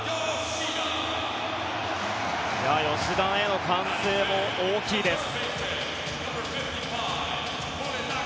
吉田への歓声も大きいです。